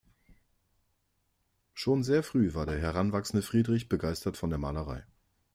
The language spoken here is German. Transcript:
Schon sehr früh war der heranwachsende Friedrich begeistert von der Malerei.